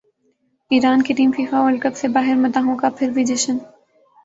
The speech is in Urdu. ایران کی ٹیم فیفاورلڈ کپ سے باہرمداحوں کا پھر بھی جشن